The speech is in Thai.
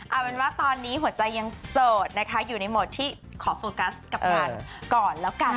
เอาเป็นว่าตอนนี้หัวใจยังโสดนะคะอยู่ในโหมดที่ขอโฟกัสกับงานก่อนแล้วกัน